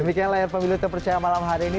demikian layar pemilu terpercaya malam hari ini